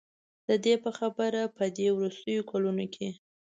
د دې په خبره په دې وروستیو کلونو کې